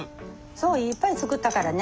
そういっぱい作ったからね。